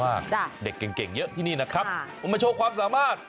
โรงเรียนอนุบาลชัยนาศ